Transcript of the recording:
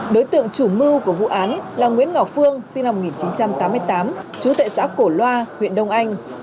đối tượng chủ mưu của vụ án là nguyễn ngọc phương sinh năm một nghìn chín trăm tám mươi tám trú tại xã cổ loa huyện đông anh